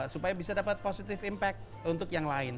supaya bisa dapat positive impact untuk yang lain